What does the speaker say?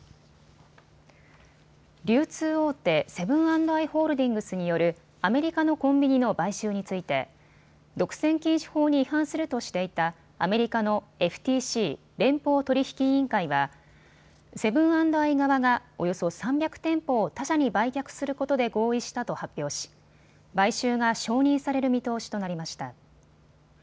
流通大手、セブン＆アイ・ホールディングスによるアメリカのコンビニの買収について独占禁止法に違反するとしていたアメリカのＦＴＣ・連邦取引委員会はセブン＆アイ側がおよそ３００店舗を他社に売却することで合意したと発表し買収が承認される見通しとなりました。